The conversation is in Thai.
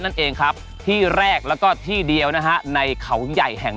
นั่นเองครับที่แรกแล้วก็ที่เดียวนะฮะในเขาใหญ่แห่ง